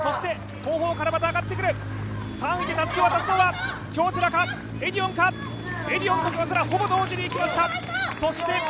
後方からまた上がってくる３位でたすきを渡すのは京セラか、エディオンかエディオンと京セラ、ほぼ同時にいきました。